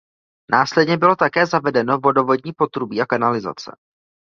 Následně bylo také zavedeno vodovodní potrubí a kanalizace.